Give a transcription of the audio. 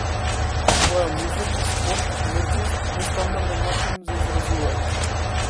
Тоа е музика, спорт, уметност, нестандарден начин за изразување.